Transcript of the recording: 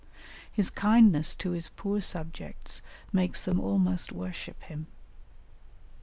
His kindness to his poor subjects makes them almost worship him."